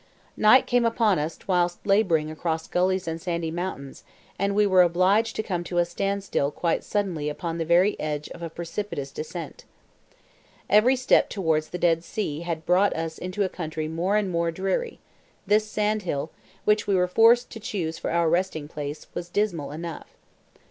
Night came upon us whilst labouring across gullies and sandy mounds, and we were obliged to come to a stand still quite suddenly upon the very edge of a precipitous descent. Every step towards the Dead Sea had brought us into a country more and more dreary; and this sand hill, which we were forced to choose for our resting place, was dismal enough.